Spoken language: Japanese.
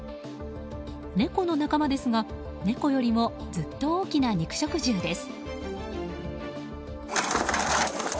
猫の仲間ですが猫よりもずっと大きな肉食獣です。